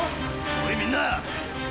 おいみんな！